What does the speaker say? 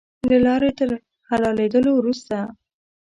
له لارې تر حلالېدلو وروسته.